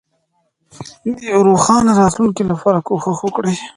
د یوې روښانه راتلونکې لپاره کوښښ وکړئ.